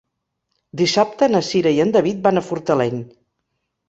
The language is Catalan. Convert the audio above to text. Dissabte na Cira i en David van a Fortaleny.